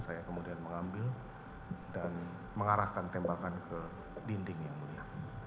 saya kemudian mengambil dan mengarahkan tembakan ke dinding yang mulia